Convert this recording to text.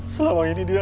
selama ini dia